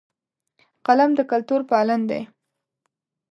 قلم د کلتور پالن دی